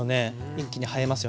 一気に映えますよね。